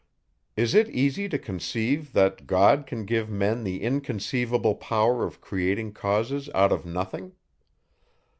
Is it easy to conceive, that God can give men the inconceivable power of creating causes out of nothing?